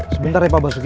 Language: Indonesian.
sebentar ya pak basuki